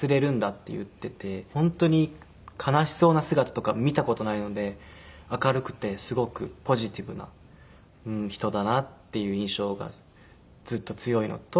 本当に悲しそうな姿とか見た事ないので明るくてすごくポジティブな人だなっていう印象がずっと強いのと。